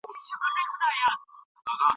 ښايي تاسو په پوه سئ.